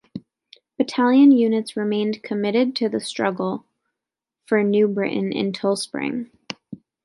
Battalion units remained committed to the struggle for New Britain until Spring.